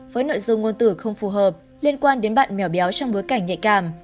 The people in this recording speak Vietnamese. với nội dung ngôn từ không phù hợp liên quan đến bạn mèo béo trong bối cảnh nhạy cảm